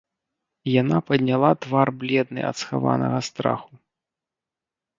Яна падняла твар бледны ад схаванага страху.